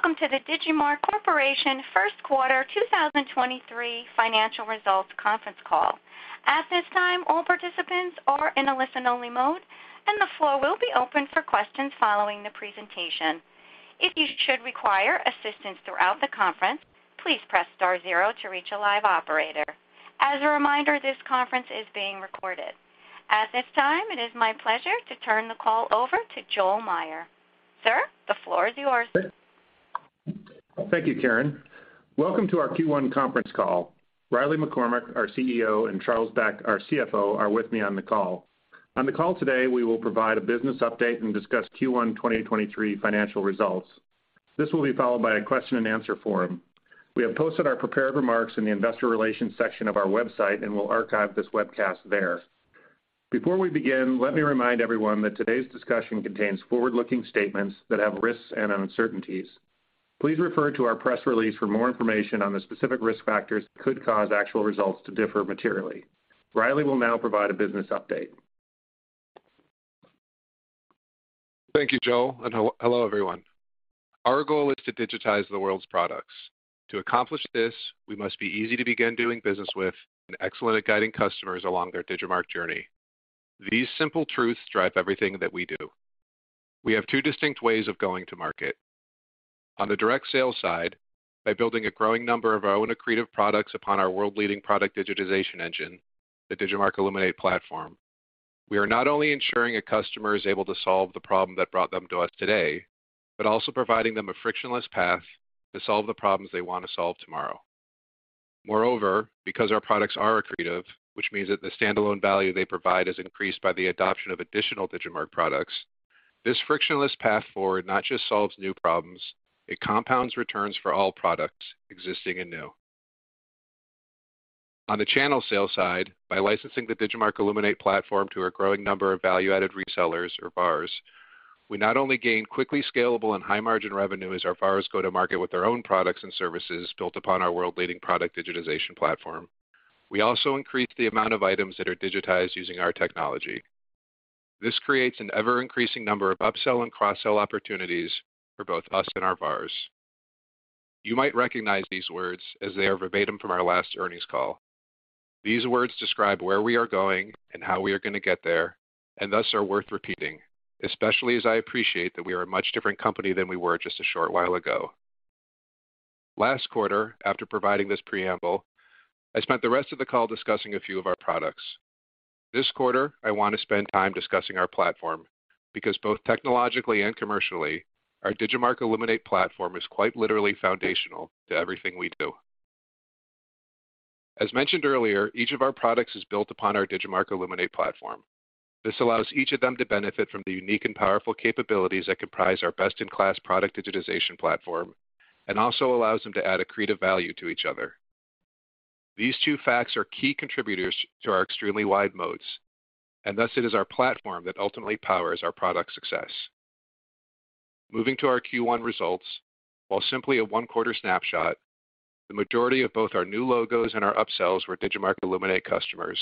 Greetings, welcome to the Digimarc Corporation 1st quarter 2023 financial results conference call. At this time, all participants are in a listen-only mode, and the floor will be open for questions following the presentation. If you should require assistance throughout the conference, please press star 0 to reach a live operator. As a reminder, this conference is being recorded. At this time, it is my pleasure to turn the call over to Joel Meyer. Sir, the floor is yours. Thank you, Karen. Welcome to our Q1 conference call. Riley McCormack, our CEO, and Charles Beck, our CFO, are with me on the call. On the call today, we will provide a business update and discuss Q1 2023 financial results. This will be followed by a question and answer forum. We have posted our prepared remarks in the investor relations section of our website, and we'll archive this webcast there. Before we begin, let me remind everyone that today's discussion contains forward-looking statements that have risks and uncertainties. Please refer to our press release for more information on the specific risk factors that could cause actual results to differ materially. Riley will now provide a business update. Thank you, Joel. Hello, everyone. Our goal is to digitize the world's products. To accomplish this, we must be easy to begin doing business with and excellent at guiding customers along their Digimarc journey. These simple truths drive Everything that we do. We have 2 distinct ways of going to market. On the direct sales side, by building a growing number of our own accretive products upon our world-leading product digitization engine, the Digimarc Illuminate platform. We are not only ensuring a customer is able to solve the problem that brought them to us today, but also providing them a frictionless path to solve the problems they want to solve tomorrow. Because our products are accretive, which means that the standalone value they provide is increased by the adoption of additional Digimarc products, this frictionless path forward not just solves new problems, it compounds returns for all products existing and new. On the channel sales side, by licensing the Digimarc Illuminate platform to a growing number of value-added resellers or VARs, we not only gain quickly scalable and high-margin revenue as our VARs go to market with their own products and services built upon our world-leading product digitization platform. We also increase the amount of items that are digitized using our technology. This creates an ever-increasing number of upsell and cross-sell opportunities for both us and our VARs. You might recognize these words as they are verbatim from our last earnings call. These words describe where we are going and how we are going to get there, and thus are worth repeating, especially as I appreciate that we are a much different company than we were just a short while ago. Last quarter, after providing this preamble, I spent the rest of the call discussing a few of our products. This quarter, I want to spend time discussing our platform because both technologically and commercially, our Digimarc Illuminate platform is quite literally foundational to everything we do. As mentioned earlier, each of our products is built upon our Digimarc Illuminate platform. This allows each of them to benefit from the unique and powerful capabilities that comprise our best-in-class product digitization platform and also allows them to add accretive value to each other. These 2 facts are key contributors to our extremely wide moats, and thus it is our platform that ultimately powers our product success. Moving to our Q1 results, while simply a one-quarter snapshot, the majority of both our new logos and our upsells were Digimarc Illuminate customers,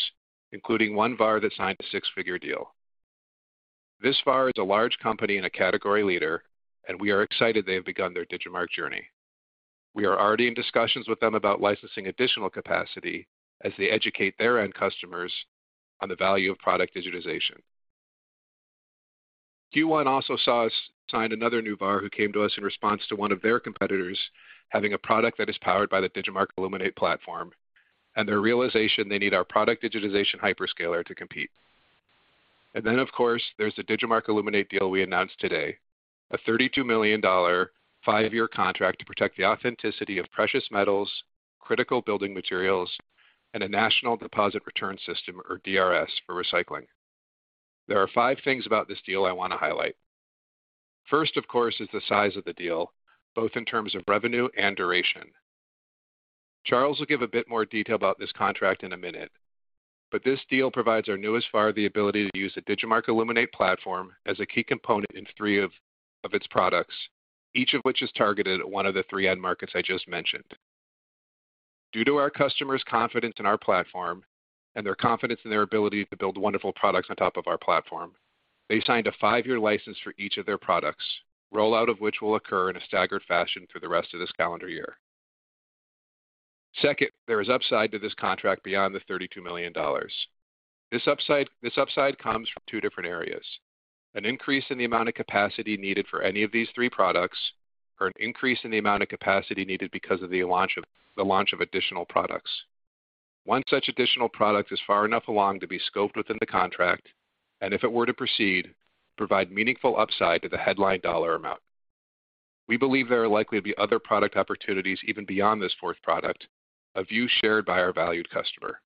including 1 VAR that signed a 6-figure deal. This VAR is a large company and a category leader. We are excited they have begun their Digimarc journey. We are already in discussions with them about licensing additional capacity as they educate their end customers on the value of product digitization. Q1 also saw us sign another new VAR who came to us in response to 1 of their competitors having a product that is powered by the Digimarc Illuminate platform and their realization they need our product digitization hyperscaler to compete. Of course, there's the Digimarc Illuminate deal we announced today, a $32 million 5-year contract to protect the authenticity of precious metals, critical building materials, and a national deposit return system or DRS for recycling. There are 5 things about this deal I want to highlight. First, of course, is the size of the deal, both in terms of revenue and duration. Charles will give a bit more detail about this contract in a minute, but this deal provides our newest VAR the ability to use the Digimarc Illuminate platform as a key component in 3 of its products, each of which is targeted at 1 of the 3 end markets I just mentioned. Due to our customers' confidence in our platform and their confidence in their ability to build wonderful products on top of our platform, they signed a 5-year license for each of their products, rollout of which will occur in a staggered fashion through the rest of this calendar year. Second, there is upside to this contract beyond the $32 million. This upside comes from 2 different areas, an increase in the amount of capacity needed for any of these 3 products or an increase in the amount of capacity needed because of the launch of additional products. 1 such additional product is far enough along to be scoped within the contract, and if it were to proceed, provide meaningful upside to the headline dollar amount. We believe there are likely to be other product opportunities even beyond this 4th product, a view shared by our valued customer.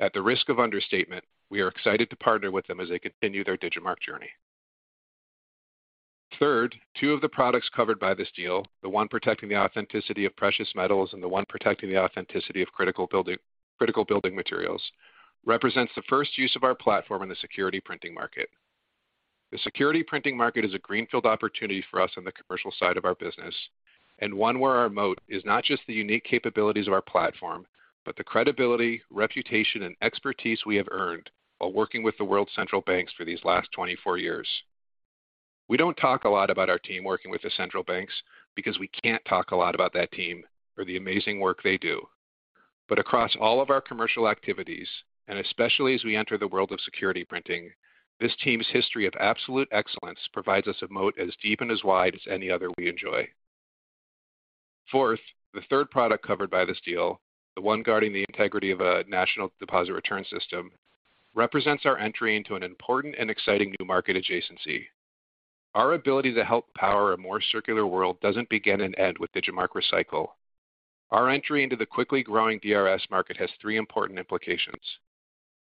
At the risk of understatement, we are excited to partner with them as they continue their Digimarc journey. Third, 2 of the products covered by this deal, the 1 protecting the authenticity of precious metals and the 1 protecting the authenticity of critical building materials, represents the first use of our platform in the security printing market. The security printing market is a greenfield opportunity for us on the commercial side of our business. 1 where our moat is not just the unique capabilities of our platform, but the credibility, reputation, and expertise we have earned while working with the world's central banks for these last 24 years. We don't talk a lot about our team working with the central banks because we can't talk a lot about that team or the amazing work they do. Across all of our commercial activities, and especially as we enter the world of security printing, this team's history of absolute excellence provides us a moat as deep and as wide as any other we enjoy. Fourth, the third product covered by this deal, the 1 guarding the integrity of a national deposit return system, represents our entry into an important and exciting new market adjacency. Our ability to help power a more circular world doesn't begin and end with Digimarc Recycle. Our entry into the quickly growing DRS market has 3 important implications.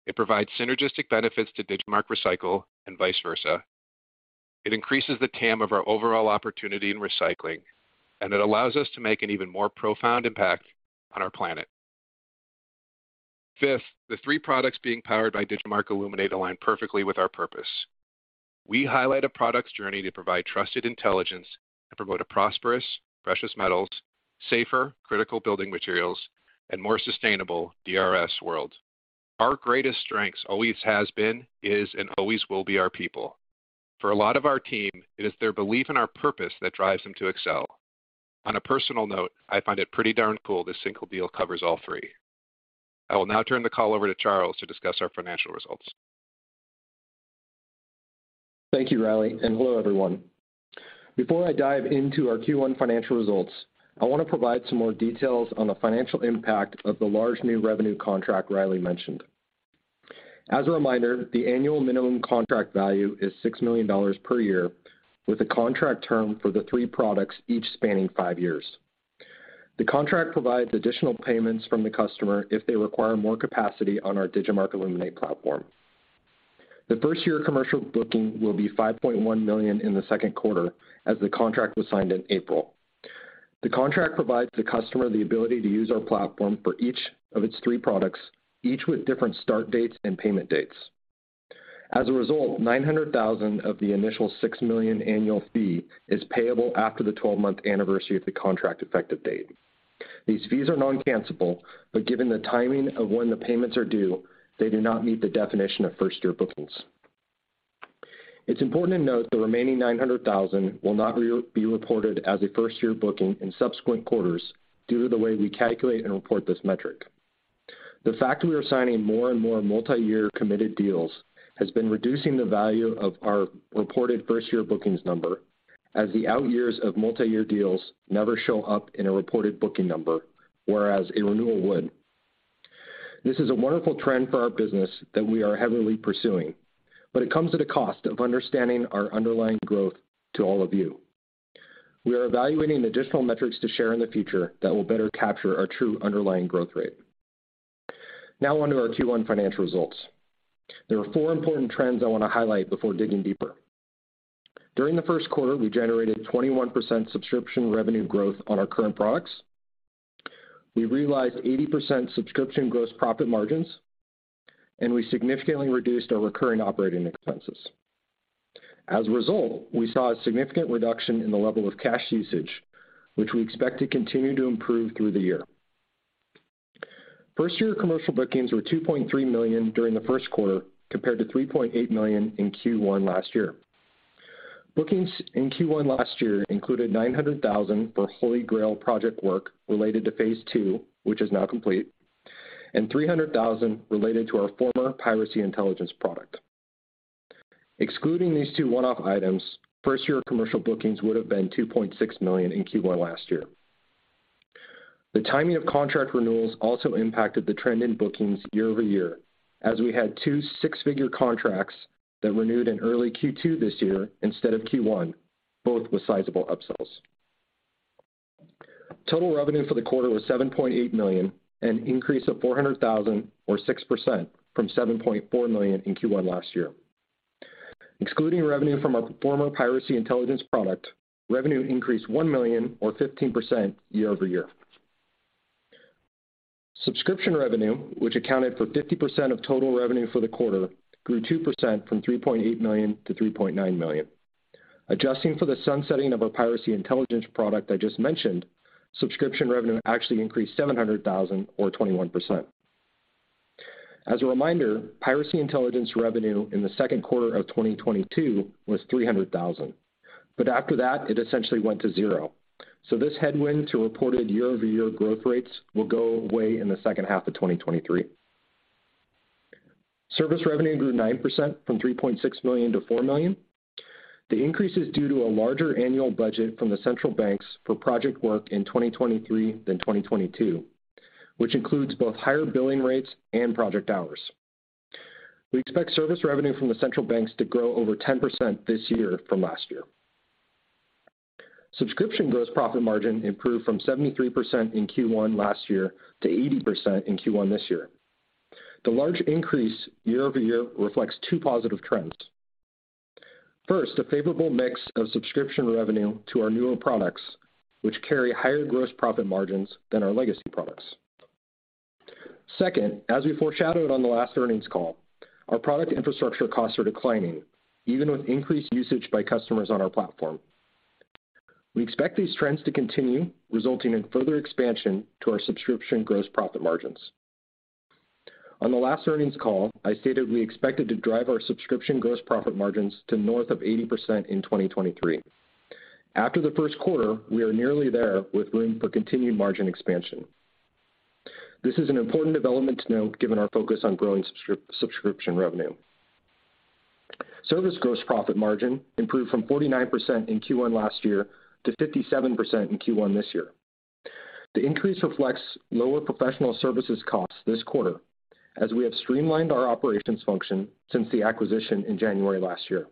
It provides synergistic benefits to Digimarc Recycle and vice versa. It increases the TAM of our overall opportunity in recycling, and it allows us to make an even more profound impact on our planet. Fifth, the 3 products being powered by Digimarc Illuminate align perfectly with our purpose. We highlight a product's journey to provide trusted intelligence and promote a prosperous, precious metals, safer, critical building materials, and more sustainable DRS world. Our greatest strengths always has been, is, and always will be our people. For a lot of our team, it is their belief in our purpose that drives them to excel. On a personal note, I find it pretty darn cool this single deal covers all 3. I will now turn the call over to Charles to discuss our financial results. Thank you, Riley. Hello, everyone. Before I dive into our Q1 financial results, I want to provide some more details on the financial impact of the large new revenue contract Riley mentioned. As a reminder, the annual minimum contract value is $6 million per year, with a contract term for the 3 products each spanning 5 years. The contract provides additional payments from the customer if they require more capacity on our Digimarc Illuminate platform. The first-year commercial booking will be $5.1 million in the second quarter as the contract was signed in April. The contract provides the customer the ability to use our platform for each of its 3 products, each with different start dates and payment dates. As a result, $900,000 of the initial $6 million annual fee is payable after the 12-month anniversary of the contract effective date. These fees are non-cancelable, given the timing of when the payments are due, they do not meet the definition of first-year bookings. It's important to note the remaining $900,000 will not be reported as a first-year booking in subsequent quarters due to the way we calculate and report this metric. The fact we are signing more and more multiyear committed deals has been reducing the value of our reported first-year bookings number as the out years of multiyear deals never show up in a reported booking number, whereas a renewal would. This is a wonderful trend for our business that we are heavily pursuing, but it comes at a cost of understanding our underlying growth to all of you. We are evaluating additional metrics to share in the future that will better capture our true underlying growth rate. On to our Q1 financial results. There are 4 important trends I want to highlight before digging deeper. During the first quarter, we generated 21% subscription revenue growth on our current products. We realized 80% subscription gross profit margins, and we significantly reduced our recurring operating expenses. As a result, we saw a significant reduction in the level of cash usage, which we expect to continue to improve through the year. First-year commercial bookings were $2.3 million during the first quarter, compared to $3.8 million in Q1 last year. Bookings in Q1 last year included $900,000 for HolyGrail 2.0 project work related to phase 2, which is now complete, and $300,000 related to our former Piracy Intelligence product. Excluding these 21-off items, first-year commercial bookings would have been $2.6 million in Q1 last year. The timing of contract renewals also impacted the trend in bookings year-over-year, as we had 2 6-figure contracts that renewed in early Q2 this year instead of Q1, both with sizable upsells. Total revenue for the quarter was $7.8 million, an increase of $400,000 or 6% from $7.4 million in Q1 last year. Excluding revenue from our former Piracy Intelligence product, revenue increased $1 million or 15% year-over-year. Subscription revenue, which accounted for 50% of total revenue for the quarter, grew 2% from $3.8 million to $3.9 million. Adjusting for the sunsetting of our Piracy Intelligence product I just mentioned, subscription revenue actually increased $700,000 or 21%. As a reminder, Piracy Intelligence revenue in the second quarter of 2022 was $300,000. After that, it essentially went to zero. This headwind to reported year-over-year growth rates will go away in the second half of 2023. Service revenue grew 9% from $3.6 million to $4 million. The increase is due to a larger annual budget from the central banks for project work in 2023 than 2022, which includes both higher billing rates and project hours. We expect service revenue from the central banks to grow over 10% this year from last year. Subscription gross profit margin improved from 73% in Q1 last year to 80% in Q1 this year. The large increase year-over-year reflects 2 positive trends. First, a favorable mix of subscription revenue to our newer products, which carry higher gross profit margins than our legacy products. Second, as we foreshadowed on the last earnings call, our product infrastructure costs are declining even with increased usage by customers on our platform. We expect these trends to continue, resulting in further expansion to our subscription gross profit margins. On the last earnings call, I stated we expected to drive our subscription gross profit margins to north of 80% in 2023. After the 1st quarter, we are nearly there with room for continued margin expansion. This is an important development to note given our focus on growing subscription revenue. Service gross profit margin improved from 49% in Q1 last year to 57% in Q1 this year. The increase reflects lower professional services costs this quarter as we have streamlined our operations function since the acquisition in January last year.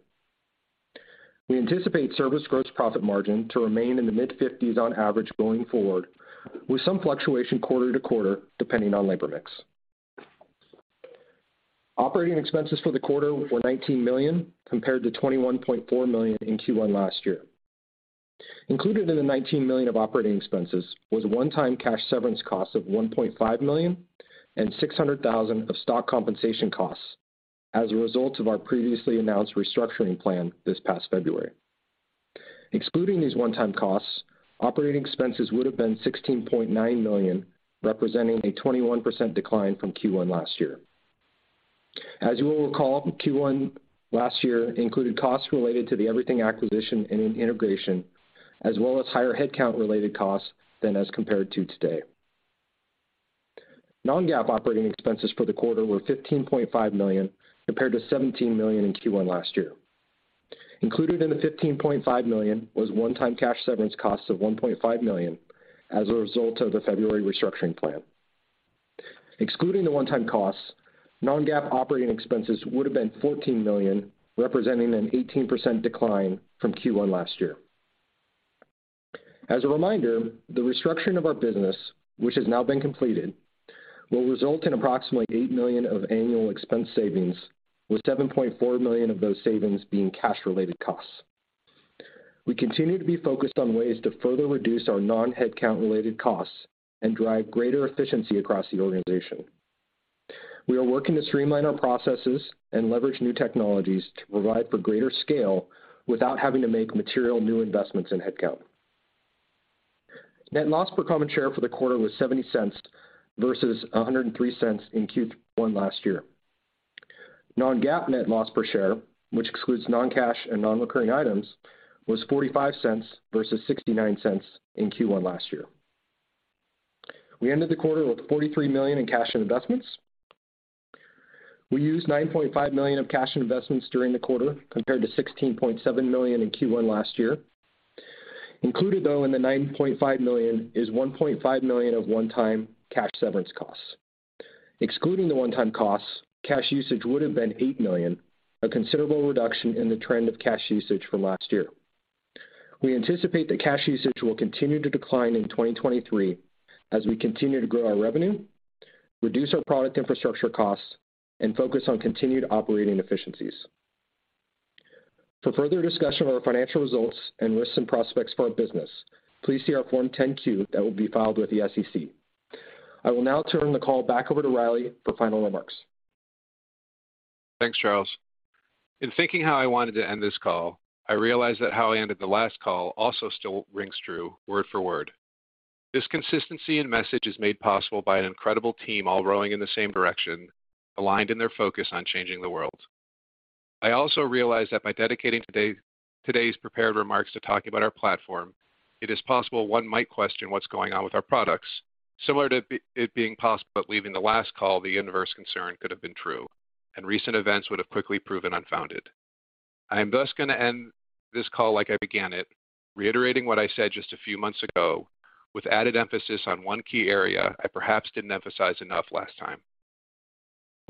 We anticipate service gross profit margin to remain in the mid-50s on average going forward, with some fluctuation quarter-to-quarter depending on labor mix. Operating expenses for the quarter were $19 million, compared to $21.4 million in Q1 last year. Included in the $19 million of operating expenses was one-time cash severance costs of $1.5 million and $600,000 of stock compensation costs as a result of our previously announced restructuring plan this past February. Excluding these one-time costs, operating expenses would have been $16.9 million, representing a 21% decline from Q1 last year. As you will recall, Q1 last year included costs related to the EVRYTHING acquisition and integration, as well as higher headcount-related costs than as compared to today. non-GAAP operating expenses for the quarter were $15.5 million, compared to $17 million in Q1 last year. Included in the $15.5 million was one-time cash severance costs of $1.5 million as a result of the February restructuring plan. Excluding the one-time costs, non-GAAP operating expenses would have been $14 million, representing an 18% decline from Q1 last year. As a reminder, the restructuring of our business, which has now been completed, will result in approximately $8 million of annual expense savings, with $7.4 million of those savings being cash-related costs. We continue to be focused on ways to further reduce our non-headcount-related costs and drive greater efficiency across the organization. We are working to streamline our processes and leverage new technologies to provide for greater scale without having to make material new investments in headcount. Net loss per common share for the quarter was $0.70 versus $1.03 in Q1 last year. Non-GAAP net loss per share, which excludes non-cash and non-recurring items, was $0.45 versus $0.69 in Q1 last year. We ended the quarter with $43 million in cash and investments. We used $9.5 million of cash and investments during the quarter, compared to $16.7 million in Q1 last year. Included, though, in the $9.5 million is $1.5 million of one-time cash severance costs. Excluding the one-time costs, cash usage would have been $8 million, a considerable reduction in the trend of cash usage from last year. We anticipate that cash usage will continue to decline in 2023 as we continue to grow our revenue, reduce our product infrastructure costs, and focus on continued operating efficiencies. For further discussion of our financial results and risks and prospects for our business, please see our Form 10-Q that will be filed with the SEC. I will now turn the call back over to Riley for final remarks. Thanks, Charles. In thinking how I wanted to end this call, I realized that how I ended the last call also still rings true word for word. This consistency in message is made possible by an incredible team all rowing in the same direction, aligned in their focus on changing the world. I also realized that by dedicating today's prepared remarks to talking about our platform, it is possible 1 might question what's going on with our products, similar to it being possible that leaving the last call, the inverse concern could have been true, and recent events would have quickly proven unfounded. I am thus gonna end this call like I began it, reiterating what I said just a few months ago, with added emphasis on 1 key area I perhaps didn't emphasize enough last time.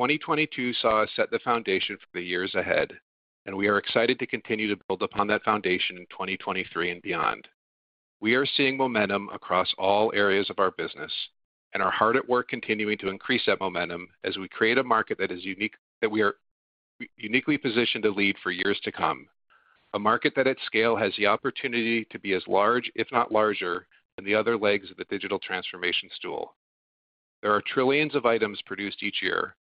2022 saw us set the foundation for the years ahead. We are excited to continue to build upon that foundation in 2023 and beyond. We are seeing momentum across all areas of our business and are hard at work continuing to increase that momentum as we create a market that we are uniquely positioned to lead for years to come, a market that at scale has the opportunity to be as large, if not larger, than the other legs of the digital transformation stool. There are trillions of items produced each year.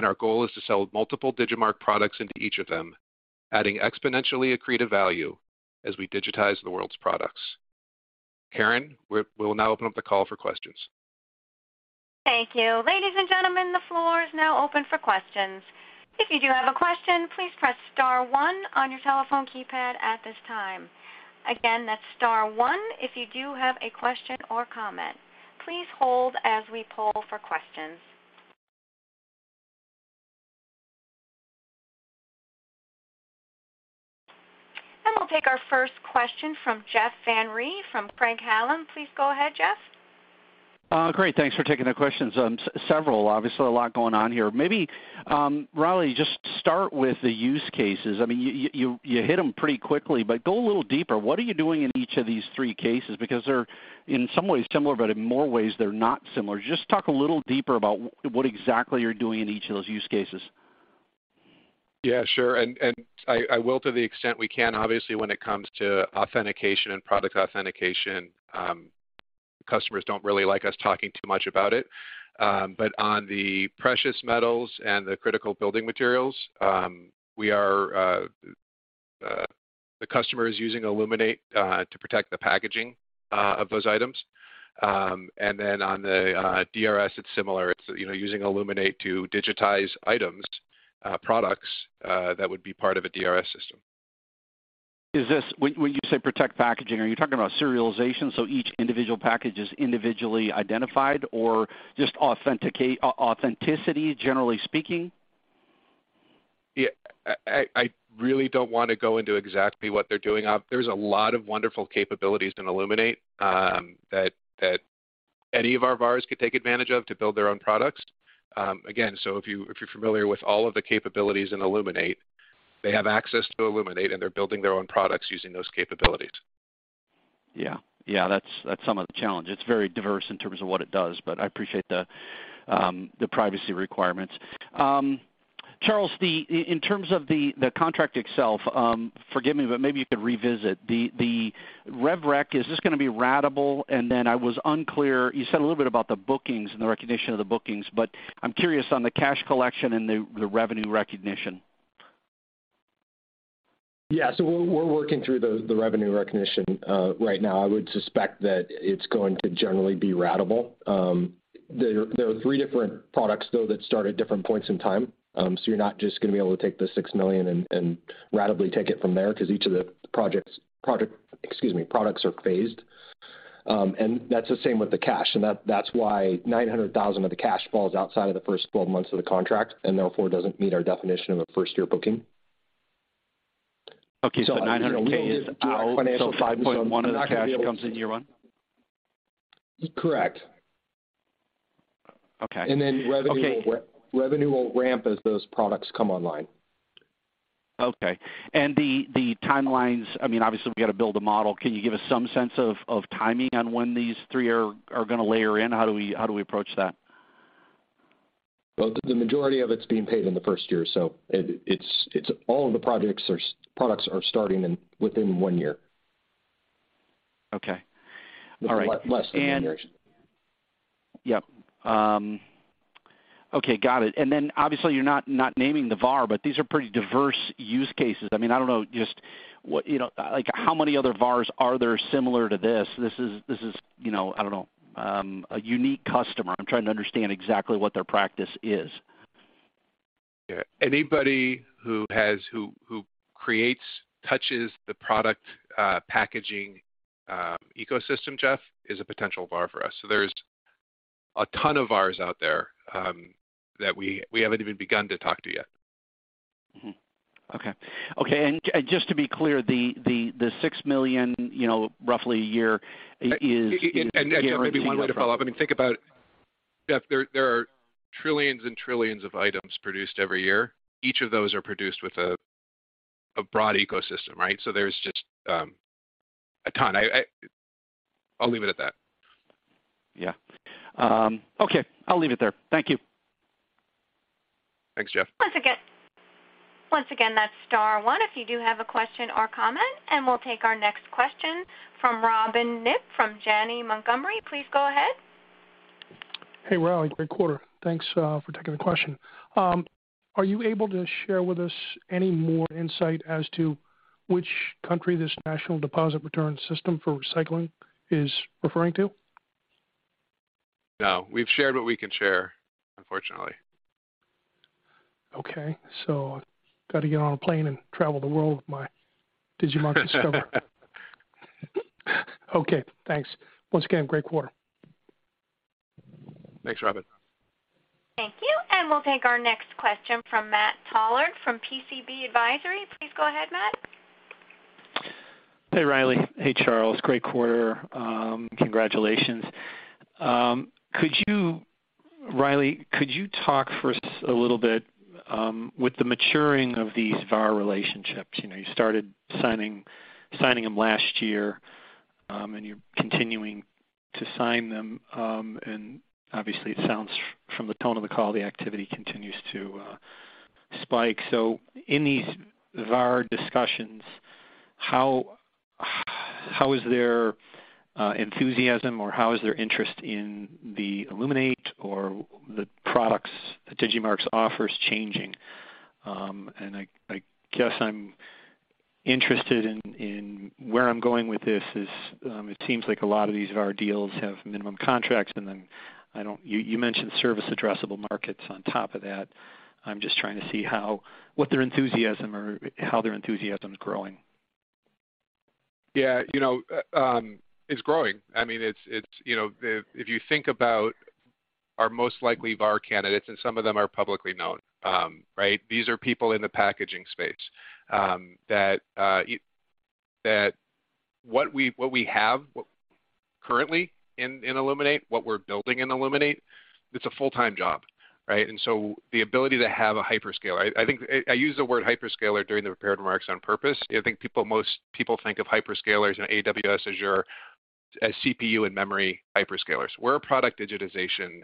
Our goal is to sell multiple Digimarc products into each of them, adding exponentially accretive value as we digitize the world's products. Karen, we'll now open up the call for questions. Thank you. Ladies and gentlemen, the floor is now open for questions. If you do have a question, please press star 1 on your telephone keypad at this time. Again, that's star 1 if you do have a question or comment. Please hold as we poll for questions. We'll take our first question from Jeff Van Rhee from Craig-Hallum. Please go ahead, Jeff. Great. Thanks for taking the questions. Several, obviously a lot going on here. Maybe, Riley, just start with the use cases. I mean, you hit them pretty quickly, but go a little deeper. What are you doing in each of these 3 cases? Because they're in some ways similar, but in more ways they're not similar. Just talk a little deeper about what exactly you're doing in each of those use cases. Yeah, sure. I will to the extent we can. Obviously, when it comes to authentication and product authentication, customers don't really like us talking too much about it. On the precious metals and the critical building materials, the customer is using Illuminate to protect the packaging of those items. On the DRS, it's similar. It's, you know, using Illuminate to digitize items, products that would be part of a DRS system. When you say protect packaging, are you talking about serialization, so each individual package is individually identified or just authenticity, generally speaking? Yeah. I really don't wanna go into exactly what they're doing. There's a lot of wonderful capabilities in Illuminate that any of our VARs could take advantage of to build their own products. Again, if you're familiar with all of the capabilities in Illuminate, they have access to Illuminate, and they're building their own products using those capabilities. Yeah. That's some of the challenge. It's very diverse in terms of what it does, but I appreciate the privacy requirements. Charles, in terms of the contract itself, forgive me, but maybe you could revisit. The rev rec, is this gonna be ratable? I was unclear, you said a little bit about the bookings and the recognition of the bookings, but I'm curious on the cash collection and the revenue recognition. Yeah. We're working through the revenue recognition right now. I would suspect that it's going to generally be ratable. There are 3 different products though that start at different points in time. You're not just gonna be able to take the $6 million and ratably take it from there 'cause each of the products are phased. That's the same with the cash. That's why $900,000 of the cash falls outside of the first 12 months of the contract, and therefore, doesn't meet our definition of a first-year booking. Okay. $900K is out. $5.1 of the cash comes in year 1? Correct. Okay. Revenue. Okay. Revenue will ramp as those products come online. Okay. The timelines, I mean, obviously, we got to build a model. Can you give us some sense of timing on when these 3 are gonna layer in? How do we, how do we approach that? The majority of it's being paid in the first year, so it's all of the products are starting in within 1 year. Okay. All right. Less than 1 year. Yep. Okay, got it. Obviously you're not naming the VAR, but these are pretty diverse use cases. I mean, I don't know, just what, you know. Like, how many other VARs are there similar to this? This is, you know, I don't know, a unique customer. I'm trying to understand exactly what their practice is. Yeah. Anybody who creates, touches the product, packaging, ecosystem, Jeff, is a potential VAR for us. There's a ton of VARs out there that we haven't even begun to talk to yet. Mm-hmm. Okay. Okay. Just to be clear, the $6 million, you know, roughly a year is- Maybe way to follow up, I mean, think about, Jeff, there are trillions and trillions of items produced every year. Each of those are produced with a broad ecosystem, right? There's just a ton. I'll leave it at that. Yeah. Okay. I'll leave it there. Thank you. Thanks, Jeff. Once again, that's star 1 if you do have a question or comment. We'll take our next question from Robin Knibbe from Janney Montgomery Scott. Please go ahead. Hey, Riley. Great quarter. Thanks, for taking the question. Are you able to share with us any more insight as to which country this national deposit return system for recycling is referring to? No. We've shared what we can share, unfortunately. Okay. gotta get on a plane and travel the world with my Digimarc Discover. Okay, thanks. Once again, great quarter. Thanks, Robin. Thank you. We'll take our next question from Matthew Collard from PCB Partners. Please go ahead, Matt. Hey, Riley. Hey, Charles. Great quarter. Congratulations. Riley, could you talk for us a little bit with the maturing of these VAR relationships. You know, you started signing them last year, and you're continuing to sign them. And obviously, it sounds from the tone of the call, the activity continues to spike. In these VAR discussions, how is their enthusiasm or how is their interest in the Illuminate or the products that Digimarc offers changing? I guess I'm interested in, where I'm going with this is, it seems like a lot of these VAR deals have minimum contracts, and then you mentioned service addressable markets on top of that. I'm just trying to see what their enthusiasm or how their enthusiasm is growing. Yeah. You know, it's growing. I mean, it's, you know, if you think about our most likely VAR candidates, and some of them are publicly known, right? These are people in the packaging space, that what we, what we have currently in Illuminate, what we're building in Illuminate, it's a full-time job, right? The ability to have a hyperscaler. I used the word hyperscaler during the prepared remarks on purpose. I think people, most people think of hyperscalers in AWS, Azure as CPU and memory hyperscalers. We're a product digitization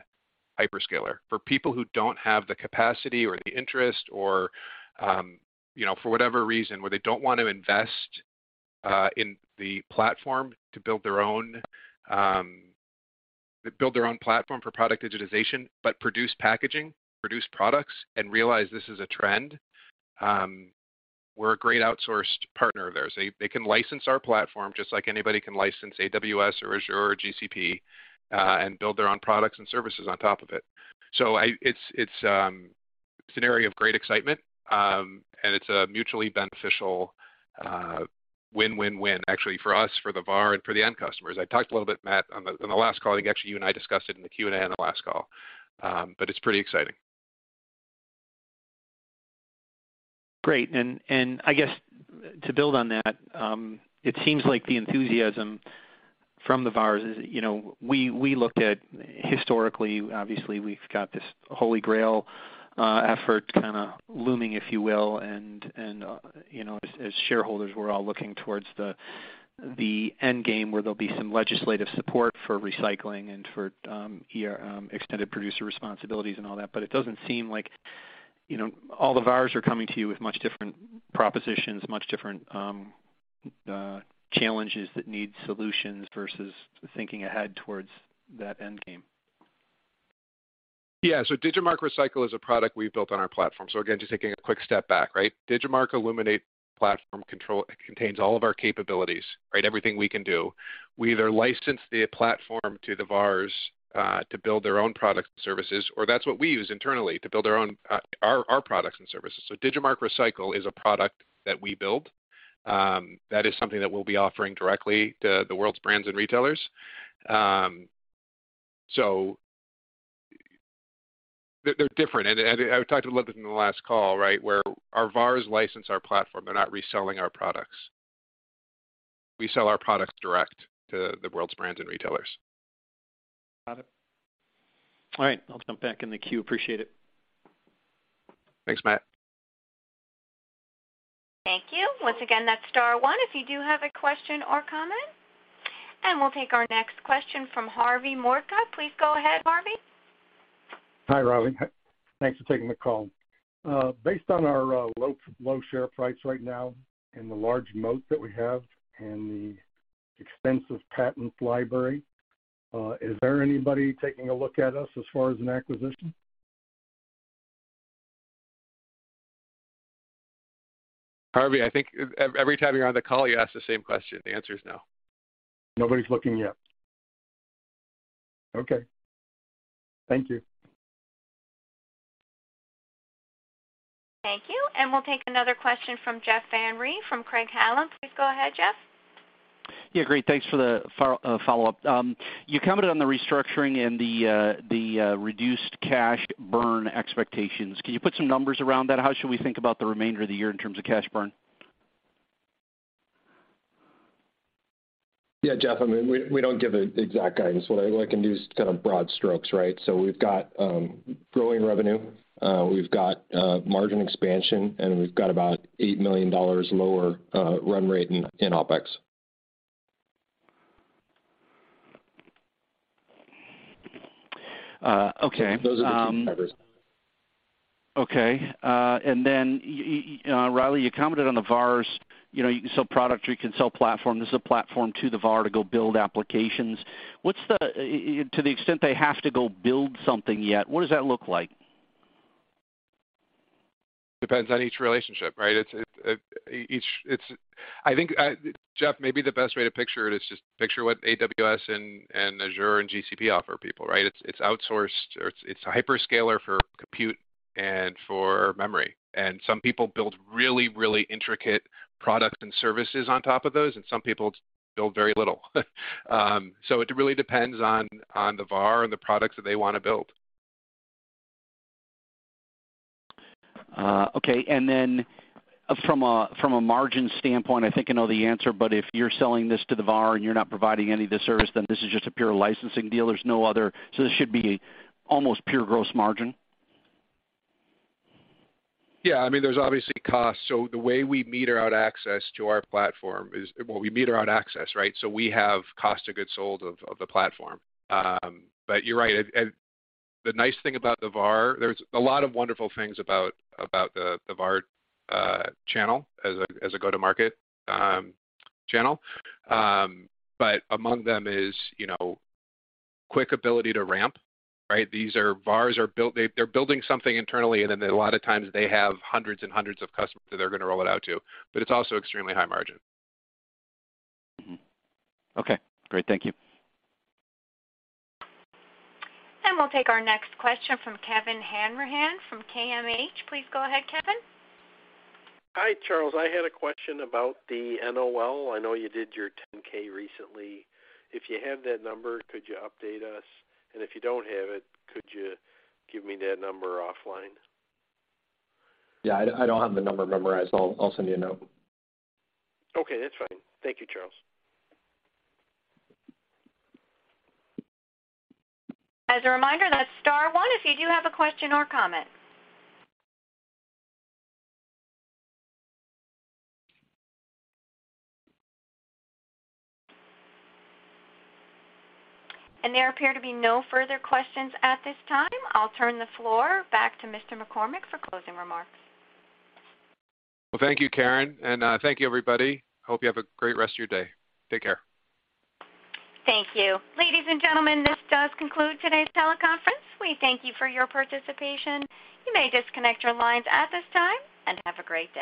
hyperscaler for people who don't have the capacity or the interest or, you know, for whatever reason, where they don't want to invest in the platform to build their own, build their own platform for product digitization, but produce packaging, produce products, and realize this is a trend. We're a great outsourced partner of theirs. They can license our platform just like anybody can license AWS or Azure or GCP and build their own products and services on top of it. It's a scenario of great excitement, and it's a mutually beneficial win-win-win actually for us, for the VAR, and for the end customers. I talked a little bit, Matt, on the last call. I think actually you and I discussed it in the Q&A on the last call. It's pretty exciting. Great. I guess to build on that, it seems like the enthusiasm from the VARs is, you know, we looked at historically, obviously we've got this HolyGrail effort kinda looming, if you will. You know, as shareholders, we're all looking towards the end game where there'll be some legislative support for recycling and for EPR extended producer responsibilities and all that. It doesn't seem like, you know, all the VARs are coming to you with much different propositions, much different challenges that need solutions versus thinking ahead towards that end game. Digimarc Recycle is a product we've built on our platform. Again, just taking a quick step back, right? Digimarc Illuminate platform control contains all of our capabilities, right, everything we can do. We either license the platform to the VARs to build their own products and services, or that's what we use internally to build our own products and services. Digimarc Recycle is a product that we build that is something that we'll be offering directly to the world's brands and retailers. They're different. I talked a little bit in the last call, right, where our VARs license our platform. They're not reselling our products. We sell our products direct to the world's brands and retailers. Got it. All right, I'll jump back in the queue. Appreciate it. Thanks, Mathew. Thank you. Once again, that's star 1 if you do have a question or comment. We'll take our next question from Harvey Mortka. Please go ahead, Harvey. Hi, Riley. Thanks for taking the call. Based on our low, low share price right now and the large moat that we have and the extensive patent library, is there anybody taking a look at us as far as an acquisition? Harvey, I think every time you're on the call, you ask the same question. The answer is no. Nobody's looking yet? Okay. Thank you. Thank you. We'll take another question from Jeff Van Rhee from Craig-Hallum. Please go ahead, Jeff. Great. Thanks for the follow-up. You commented on the restructuring and the reduced cash burn expectations. Can you put some numbers around that? How should we think about the remainder of the year in terms of cash burn? Yeah, Jeff, I mean, we don't give exact guidance. What I can do is kind of broad strokes, right? We've got growing revenue, we've got margin expansion, and we've got about $8 million lower run rate in OpEx. Okay. Those are the key drivers. Okay. You know, Riley, you commented on the VARs. You know, you can sell product or you can sell platform. This is a platform to the VAR to go build applications. To the extent they have to go build something yet, what does that look like? Depends on each relationship, right? It's I think, Jeff, maybe the best way to picture it is just picture what AWS and Azure and GCP offer people, right? It's outsourced or it's a hyperscaler for compute and for memory. Some people build really intricate products and services on top of those, and some people build very little. It really depends on the VAR and the products that they wanna build. Okay. From a margin standpoint, I think I know the answer, but if you're selling this to the VAR and you're not providing any of the service, then this is just a pure licensing deal. There's no other. This should be almost pure gross margin. Yeah, I mean, there's obviously costs. The way we meter out access to our platform is... Well, we meter out access, right? We have cost of goods sold of the platform. You're right. The nice thing about the VAR, there's a lot of wonderful things about the VAR channel as a go-to-market channel. Among them is, you know, quick ability to ramp, right? VARs are building something internally, and then a lot of times they have hundreds of customers that they're gonna roll it out to, it's also extremely high margin. Mm-hmm. Okay, great. Thank you. We'll take our next question from Kevin Hanrahan from KMH Capital. Please go ahead, Kevin. Hi, Charles. I had a question about the NOL. I know you did your 10-K recently. If you have that number, could you update us? If you don't have it, could you give me that number offline? Yeah, I don't have the number memorized. I'll send you a note. Okay, that's fine. Thank you, Charles. As a reminder, that's star 1 if you do have a question or comment. There appear to be no further questions at this time. I'll turn the floor back to Mr. McCormack for closing remarks. Well, thank you, Karen, and thank you, everybody. Hope you have a great rest of your day. Take care. Thank you. Ladies and gentlemen, this does conclude today's teleconference. We thank you for your participation. You may disconnect your lines at this time, and have a great day.